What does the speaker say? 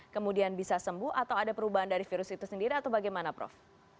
kemudian bisa sembuh atau ada perubahan dari virus itu sendiri atau bagaimana prof